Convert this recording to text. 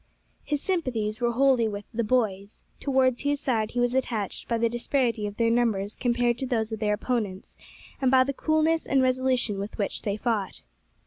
His sympathies were wholly with "the boys," towards whose side he was attached by the disparity of their numbers compared to those of their opponents, and by the coolness and resolution with which they fought.